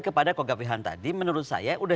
kepada kogak wilhan tadi menurut saya